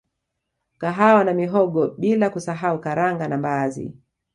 Kahawa na mihogo bila kusahau Karanga na mbaazi